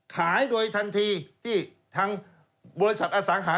ขายโดยทันทีที่ทางบริษัทอสังหา